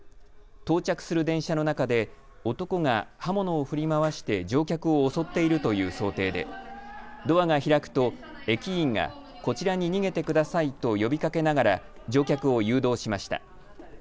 到着する電車の中で男が刃物を振り回して乗客を襲っているという想定でドアが開くと駅員がこちらに逃げてくださいと呼びかけながら乗客を誘導しました。